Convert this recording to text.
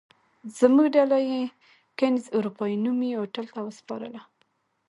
زموږ ډله یې کېنز اروپا نومي هوټل ته وسپارله.